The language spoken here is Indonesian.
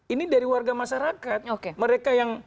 ini dari warga masyarakat mereka yang